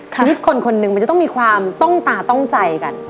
ชีวิตคนคนหนึ่งมันจะต้องมีความต้องตาต้องใจกัน